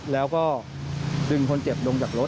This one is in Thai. แล้วก็ดึงคนเจ็บลงจากรถ